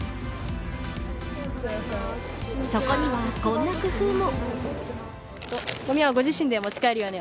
そこにはこんな工夫も。